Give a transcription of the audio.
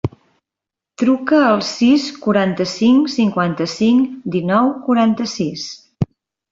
Truca al sis, quaranta-cinc, cinquanta-cinc, dinou, quaranta-sis.